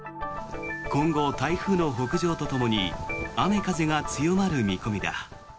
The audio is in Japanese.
今後、台風の北上とともに雨風が強まる見込みだ。